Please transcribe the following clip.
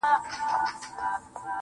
راډيو.